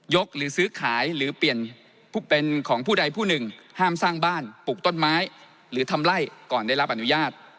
หรือซื้อขายหรือเปลี่ยนเป็นของผู้ใดผู้หนึ่งห้ามสร้างบ้านปลูกต้นไม้หรือทำไล่ก่อนได้รับอนุญาต